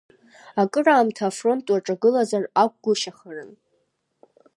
Акыраамҭа афронт уаҿагылазар акәгәышьахарын?